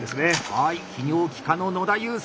はい泌尿器科の野田祐介